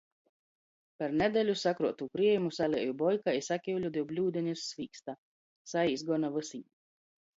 Par nedeļu sakruotū kriejumu salieju boikā i sakiuļu div bļūdenis svīksta. Saīs gona vysim.